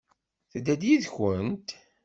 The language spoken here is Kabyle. Tedda-d yid-kent?